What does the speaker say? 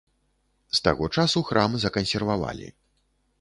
З таго часу храм закансервавалі.